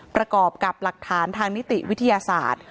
ประกอบกับหลักฐานทางนิติวิทยาศาสตร์